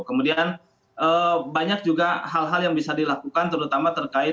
kemudian banyak juga hal hal yang bisa dilakukan terutama terhadap penyelenggaraan air